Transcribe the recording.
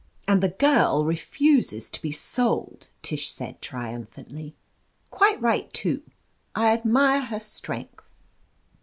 "And the girl refuses to be sold !" Tish said triumphantly. "Quite right, too. I admire her strength.